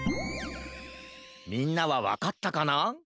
みんなはわかったかな？